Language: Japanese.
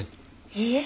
いいえ。